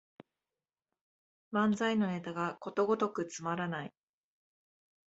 漫才のネタがことごとくつまらない